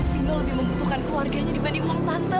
fido lebih membutuhkan keluarganya dibanding orang tante